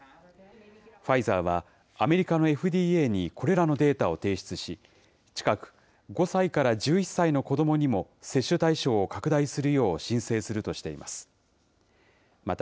ファイザーは、アメリカのＦＤＡにこれらのデータを提出し、近く、５歳から１１歳の子どもにも接種対象を拡大するよう申請するとしています。